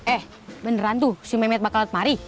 eh beneran tuh si memet bakal letmari